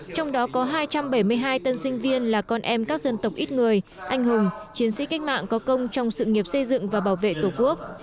trong đó có hai trăm bảy mươi hai tân sinh viên là con em các dân tộc ít người anh hùng chiến sĩ cách mạng có công trong sự nghiệp xây dựng và bảo vệ tổ quốc